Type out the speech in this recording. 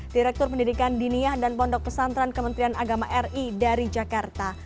direktur pendidikan diniah dan pondok pesantren kementerian agama ri dari jakarta